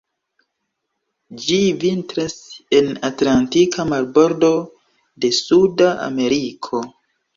Ĝi vintras en atlantika marbordo de Suda Ameriko.